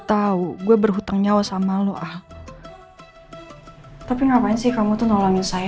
tahu gue berhutang nyawa sama lu ah tapi ngapain sih kamu tuh nolongin saya